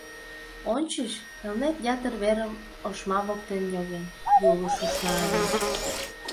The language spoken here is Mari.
Ончыч, Элнет ятыр верым ошма воктен йоген, Юлыш ушна ыле.